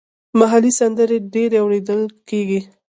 محلي سندرې ډېرې اوریدل کیږي.